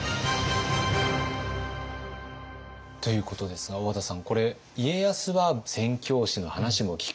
ということですが小和田さんこれ家康は宣教師の話も聞く。